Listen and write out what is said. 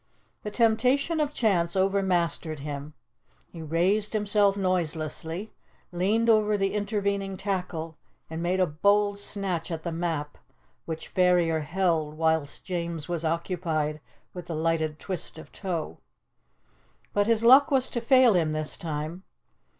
The temptation of chance overmastered him. He raised himself noiselessly, leaned over the intervening tackle, and made a bold snatch at the map, which Ferrier held whilst James was occupied with the lighted twist of tow. But his luck was to fail him this time.